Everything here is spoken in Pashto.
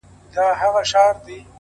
پايزېب به دركړمه د سترگو توره _